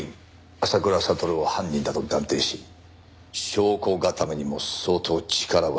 浅倉悟を犯人だと断定し証拠固めにも相当力を注いでいたからな。